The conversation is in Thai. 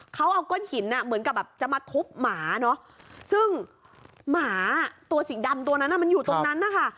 เขาเอาก้นหินเหมือนกับแบบจะมาทุบหมาเนอะซึ่งหมาตัวสีดำตัวนั้นมันอยู่ตรงนั้นนะคะ